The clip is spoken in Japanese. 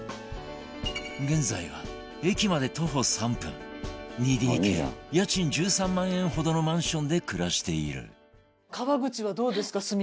現在は駅まで徒歩３分 ２ＤＫ 家賃１３万円ほどのマンションで暮らしている